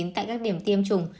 tại các điểm tiêm chủng